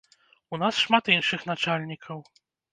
У нас шмат іншых начальнікаў.